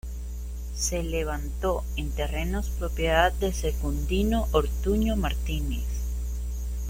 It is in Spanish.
Se levantó en terrenos propiedad de Secundino Ortuño Martínez.